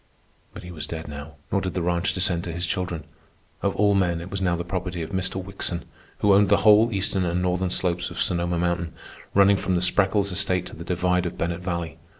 But he was dead now, nor did the ranch descend to his children. Of all men, it was now the property of Mr. Wickson, who owned the whole eastern and northern slopes of Sonoma Mountain, running from the Spreckels estate to the divide of Bennett Valley.